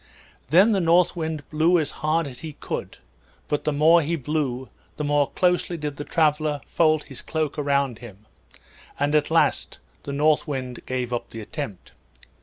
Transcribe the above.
Then the North Wind blew as hard as he could, but the more he blew the more closely did the traveler fold his cloak around him; and at last the North Wind gave up the attempt.